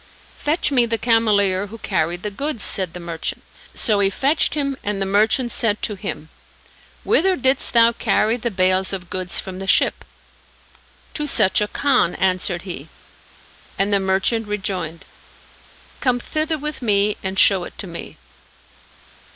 "Fetch me the cameleer who carried the goods," said the merchant; so he fetched him and the merchant said to him, "Whither didst thou carry the bales of goods from the ship?" "To such a Khan," answered he; and the merchant rejoined, "Come thither with me and show it to me."